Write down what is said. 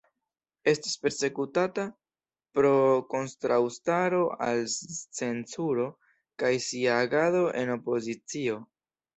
Estis persekutata pro kontraŭstaro al cenzuro kaj sia agado en opozicio.